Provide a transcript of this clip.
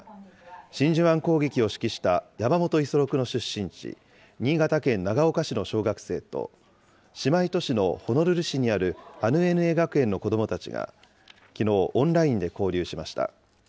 真珠湾攻撃を指揮した山本五十六の出身地、新潟県長岡市の小学生と、姉妹都市のホノルル市にあるアヌエヌエ学園の子どもたちが、きのう、オンラインで交流しました。